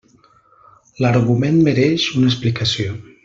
L'argument mereix una explicació.